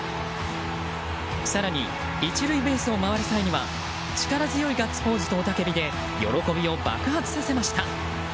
更に１塁ベースを回る際には力強いガッツポーズと雄たけびで喜びを爆発させました。